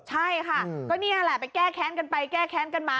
ใช่ค่ะก็นี่แหละไปแก้แค้นกันไปแก้แค้นกันมา